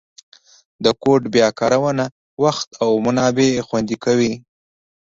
د کوډ بیا کارونه وخت او منابع خوندي کوي.